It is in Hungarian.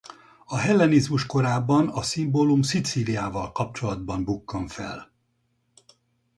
A Hellenizmus korában a szimbólum Szicíliával kapcsolatban bukkan fel.